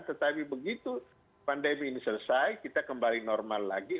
tetapi begitu pandemi ini selesai kita kembali normal lagi